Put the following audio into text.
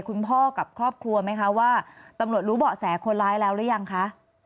คุณพ่อกับครอบครัวไหมคะว่าตำรวจรู้เบาะแสคนร้ายแล้วหรือยังคะ